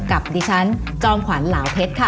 กับดิฉันจอมขวัญเหลาเพชรค่ะ